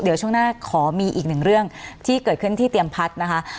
เดี๋ยวช่วงหน้าขอมีอีกหนึ่งเรื่องที่เกิดขึ้นที่เตรียมพัดนะคะ